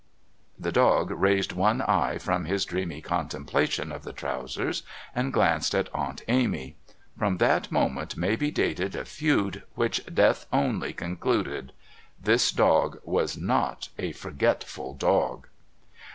The dog raised one eye from his dreamy contemplation of the trousers and glanced at Aunt Amy; from that moment may be dated a feud which death only concluded. This dog was not a forgetful dog.